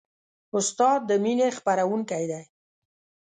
استاد د مینې خپروونکی دی.